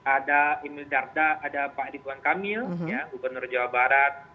ada emil darda ada pak ridwan kamil gubernur jawa barat